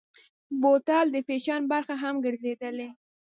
بوتل د فیشن برخه هم ګرځېدلې.